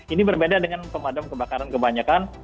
ini berbeda dengan pemadam kebakaran kebanyakan